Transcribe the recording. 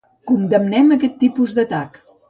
Condemnem aquest tipus d’atac.